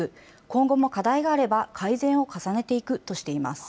今後も課題があれば改善を重ねていくとしています。